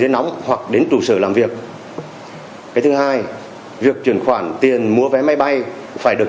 nóng hoặc đến trụ sở làm việc cái thứ hai việc chuyển khoản tiền mua vé máy bay phải được